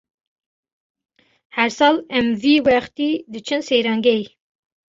Her sal em vî wextî diçin seyrangehê.